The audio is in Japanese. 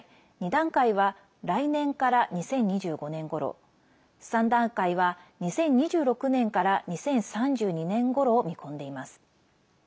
２段階は来年から２０２５年ごろ３段階は２０２６年から２０３２年ごろを見込んでいます。